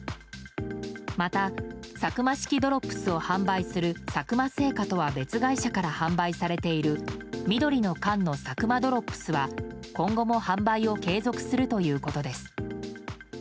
また、サクマ式ドロップスを販売する佐久間製菓とは別会社から販売されている緑の缶のサクマドロップスは今後も販売を継続するということです。